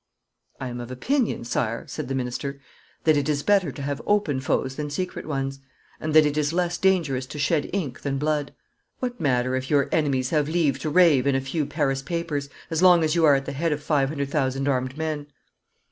'I am of opinion, Sire,' said the minister, 'that it is better to have open foes than secret ones, and that it is less dangerous to shed ink than blood. What matter if your enemies have leave to rave in a few Paris papers, as long as you are at the head of five hundred thousand armed men?'